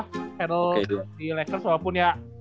hadal di lakers walaupun ya